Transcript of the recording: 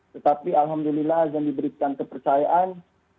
tetapi alhamdulillah azan diberikan kepercayaan